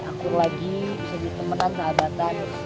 aku lagi bisa ditemukan sahabatan